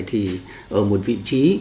thì ở một vị trí